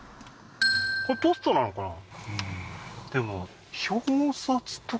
これポストなのかな？